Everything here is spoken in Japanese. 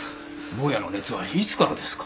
坊やの熱はいつからですか？